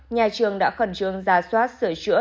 nhà trường đã khẩn trương ra soát sửa chữa